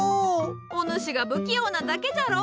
お主が不器用なだけじゃろ。